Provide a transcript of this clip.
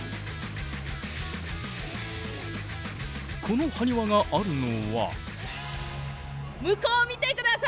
このハニワがあるのは。